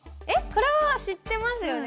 これは知ってますよね。